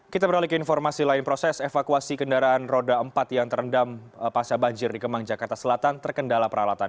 kita beralih ke informasi lain proses evakuasi kendaraan roda empat yang terendam pasca banjir di kemang jakarta selatan terkendala peralatan